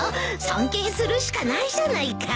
尊敬するしかないじゃないか。